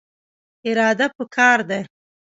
اراده پکار ده